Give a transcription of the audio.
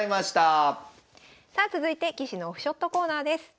さあ続いて棋士のオフショットコーナーです。